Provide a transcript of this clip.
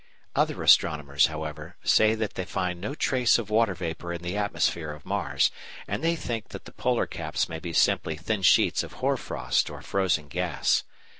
Other astronomers, however, say that they find no trace of water vapour in the atmosphere of Mars, and they think that the polar caps may be simply thin sheets of hoar frost or frozen gas.